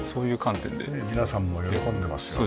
皆さんも喜んでますよね。